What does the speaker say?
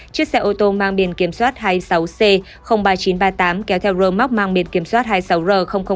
chiếc xe ô tô mang biển kiểm soát hai mươi sáu c ba nghìn chín trăm ba mươi tám kéo theo rơ móc mang biển kiểm soát hai mươi sáu r một